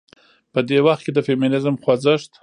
په دې وخت کې د فيمينزم خوځښت